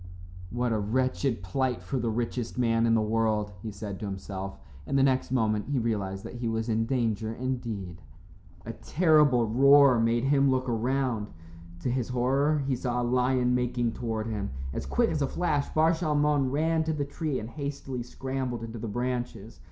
"What a wretched plight for the richest man in the world," he said to himself, and the next moment he realized that he was in danger indeed. A terrible roar made him look around. To his horror he saw a lion making toward him. As quick as a flash Bar Shalmon ran to the tree and hastily scrambled into the branches.